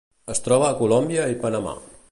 Es troba a Colòmbia i Panamà.